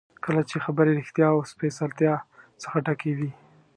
کله چې خبرې ریښتیا او سپېڅلتیا څخه ډکې وي.